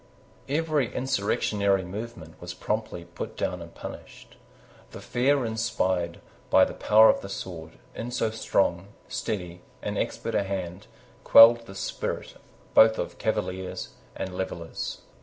Every insurrectionary movement was promptly put down and punished. The fear inspired by the power of the sword, in so strong, steady, and expert a hand, quelled the spirit both of Cavaliers and Levellers.